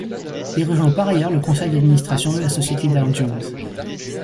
Il rejoint par ailleurs le conseil d’administration de la société Dow Jones.